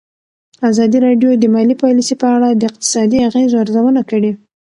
ازادي راډیو د مالي پالیسي په اړه د اقتصادي اغېزو ارزونه کړې.